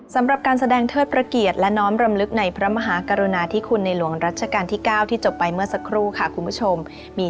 สำหรับการแสดงเทิดประเกียรติและน้อมรำลึกในพระมหากรุณาธิคุณในหลวงรัชกาลที่๙ที่จบไปเมื่อสักครู่ค่ะคุณผู้ชม